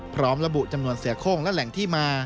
พร้อมระบุจำนวนเสือโค้งและแหล่งที่มา